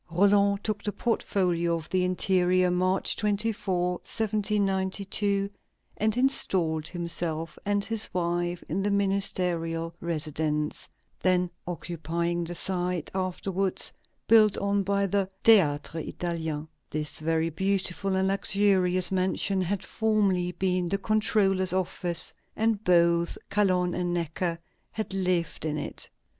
Roland took the portfolio of the Interior, March 24, 1792, and installed himself and his wife in the ministerial residence, then occupying the site afterwards built on by the Théâtre Italien. This very beautiful and luxurious mansion had formerly been the controller's office, and both Calonne and Necker had lived in it.